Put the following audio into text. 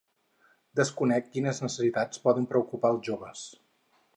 Desconec quines necessitats poden preocupar els joves.